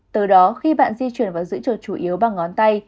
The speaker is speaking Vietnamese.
từ đó khi bạn di chuyển vào giữ trời chủ yếu bằng ngón tay